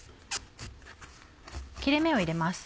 切れ目を入れます。